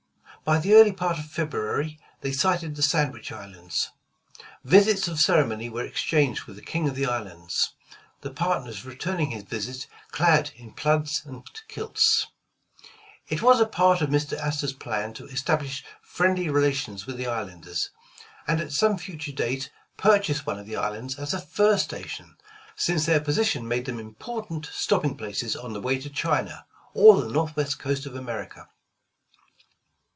By the early part of February, they sighted the Sandwich Islands. Visits of ceremony were exchanged with the King of the Islands, the partners returning his visit clad in plaids and kilts. It was a part of Mr. Astor's plan to establish friendly relations with the islanders, and at some future date purchase one of the islands as a fur station, since their position made them important stopping places on the way to China, or the Northwest coast of America.